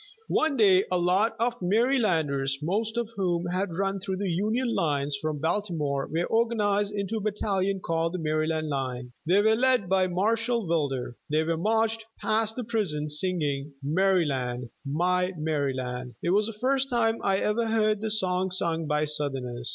One day a lot of Marylanders, most of whom had run through the Union lines from Baltimore, were organized into a battalion called "The Maryland Line." They were led by Marshall Wilder. They were marched past the prison, singing "Maryland, My Maryland." It was the first time I ever heard the song sung by Southerners.